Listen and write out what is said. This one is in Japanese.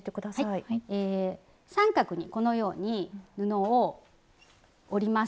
三角にこのように布を折ります。